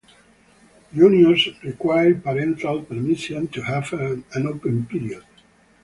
Juniors require parental permission to have an open period.